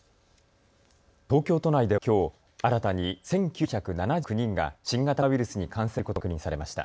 東京都内ではきょう新たに１９７９人が新型コロナウイルスに感染していることが確認されました。